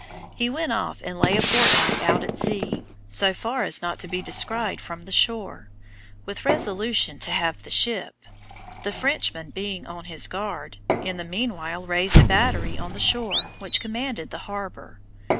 He went off and lay a fortnight out at sea, so far as not to be descried from shore, with resolution to have the ship. The Frenchman being on his guard, in the meanwhile raised a battery on the shore, which commanded the harbor.